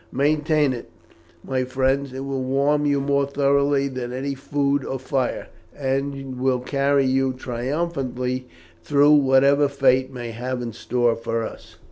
Maintain it, my friends; it will warm you more thoroughly than food or fire, and will carry you triumphantly through whatever fate may have in store for us."